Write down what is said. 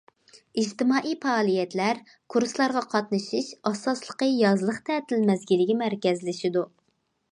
ئىجتىمائىي پائالىيەتلەر، كۇرسلارغا قاتنىشىش ئاساسلىقى يازلىق تەتىل مەزگىلىگە مەركەزلىشىدۇ.